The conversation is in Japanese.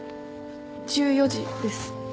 １４時です。